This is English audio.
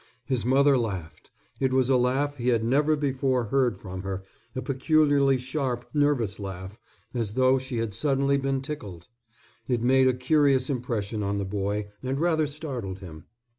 His mother laughed. It was a laugh he had never before heard from her, a peculiarly sharp, nervous laugh, as though she had suddenly been tickled. It made a curious impression on the boy and rather startled him.